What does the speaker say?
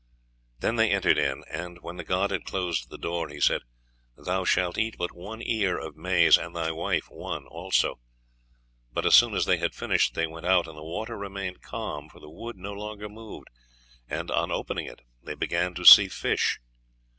"Then they entered in, and when the god had closed the door, he said, 'Thou shalt eat but one ear of maize, and thy wife one also.' "But as soon as they had finished they went out, and the water remained calm, for the wood no longer moved, and, on opening it, they began to see fish.